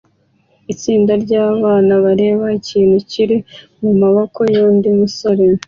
Itsinda ryabana bareba ikintu kiri mumaboko yundi musore